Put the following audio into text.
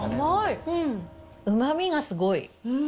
うまみがすごい。